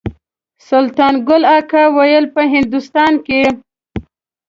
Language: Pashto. سلطان ګل اکا ویل په هندوستان کې.